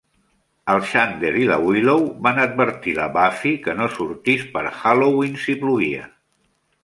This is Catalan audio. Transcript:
El Xander i la Willow van advertir la Buffy que no sortís per Halloween si plovia.